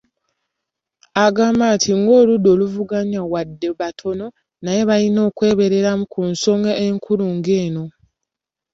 Agamba nti ,"Ng’oludda oluvuganya, wadde batono naye baalina okwebeereramu ku nsonga enkulu ng’eno".